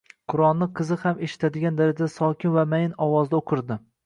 Qur'onini qizi ham eshitadigan darajada sokin va mayin ovozda o'qirdi.